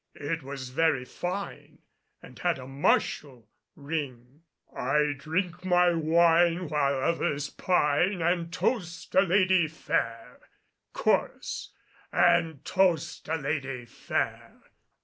It was very fine and had a martial ring. "I drink my wine While others pine, And toast a lady fair Chorus: And toast a lady fair!